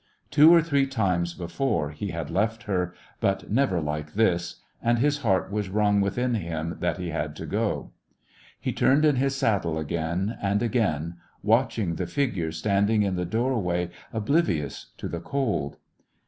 Two or three times before he had left her, but never like this, and his heart was wrung within him that he had to go. He turned in his saddle again and again, watching the figure standing A Christmas When in the doorway oblivious to the cold.